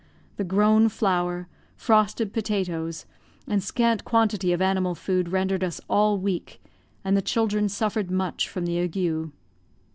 The grown flour, frosted potatoes, and scant quantity of animal food rendered us all weak, and the children suffered much from the ague.